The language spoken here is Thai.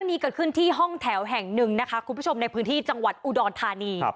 นี้เกิดขึ้นที่ห้องแถวแห่งหนึ่งนะคะคุณผู้ชมในพื้นที่จังหวัดอุดรธานี